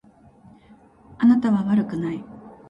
あなたは悪くない。